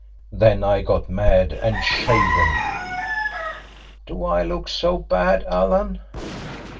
Then I got mad an' shaved 'em. Do I look so bad, Alan?"